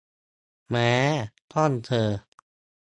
แหม ช่องเธอ